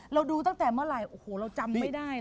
เราดูตั้งแต่เมื่อไหร่โอ้โหเราจำไม่ได้เลยว่ะ